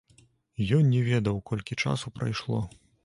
Ён не ведаў, колькі часу прайшло.